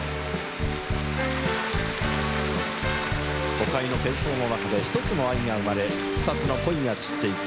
都会のけん騒の中で一つの愛が生まれ二つの恋が散っていく。